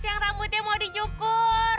yang rambutnya mau dicukur